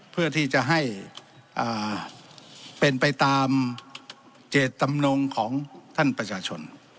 เพื่อที่จะให้เป็นไปตามเจตจำนงของท่านประชาชน